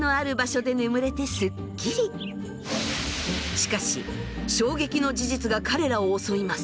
しかし衝撃の事実が彼らを襲います！